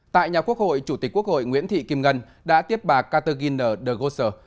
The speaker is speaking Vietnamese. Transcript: tại nhà quốc hội chủ tịch quốc hội nguyễn thị kim ngân đã tiếp bà katarzyna degosa